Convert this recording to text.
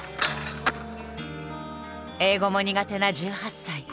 英語も苦手な１８歳。